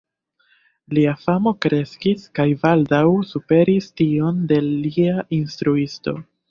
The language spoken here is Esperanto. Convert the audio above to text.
Lia famo kreskis kaj baldaŭ superis tion de lia instruisto.